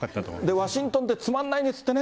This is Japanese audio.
ワシントンってつまんないんですってね。